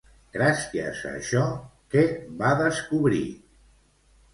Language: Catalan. Gràcies a això, què va descobrir?